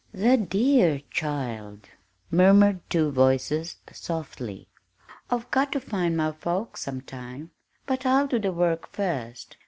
"The dear child!" murmured two voices softly. "I've got to find my folks, sometime, but I'll do the work first.